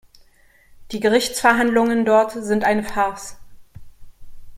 Die Gerichtsverhandlungen dort sind eine Farce.